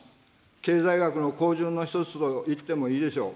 経済学の公準のひとつといってもいいでしょう。